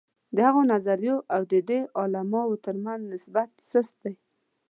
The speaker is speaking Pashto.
د هغو نظریو او دې اعمالو ترمنځ نسبت سست دی.